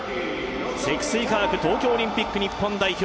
積水化学東京オリンピック日本代表